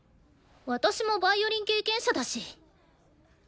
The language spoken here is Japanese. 私もヴァイオリン経験者だし。